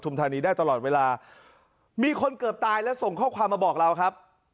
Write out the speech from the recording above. มีคนเกือบตายและส่งข้อความมาบอกเราครับ